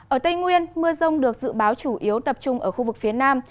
ở tây nguyên mưa rông được dự báo chủ yếu tập trung ở khu vực phía nam